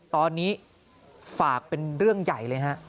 ตอนนี้ฝากเป็นเรื่องใหญ่เลยฮะ